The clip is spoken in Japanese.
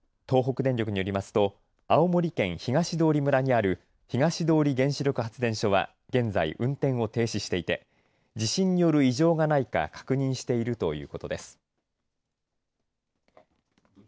東北電力によりますと青森県東通村にある東通原子力発電所は現在、運転を停止していて地震による異常がないか確認しているということです。